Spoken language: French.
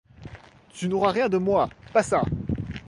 Tu n'auras rien de moi, pas ça!